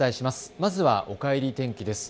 まず、おかえり天気です。